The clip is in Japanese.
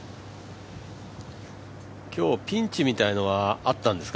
今日ピンチみたいなのはあったんですか？